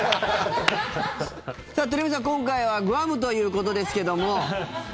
鳥海さん、今回はグアムということですけども。